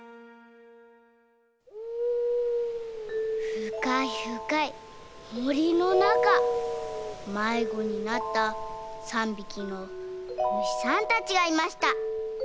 ふかいふかいもりのなかまいごになった３びきのむしさんたちがいました。